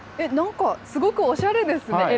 なんかすごくおしゃれですね。